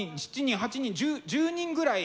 ６人７人８人１０人ぐらい。